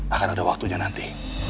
akan ada waktunya nanti